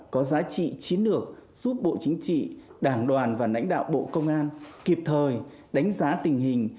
có giá trị chiến lược giúp bộ chính trị đảng đoàn và lãnh đạo bộ công an kịp thời đánh giá tình hình